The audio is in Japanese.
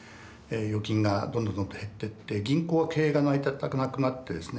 預金がどんどんどんどん減ってって銀行は経営が成り立たなくなってですね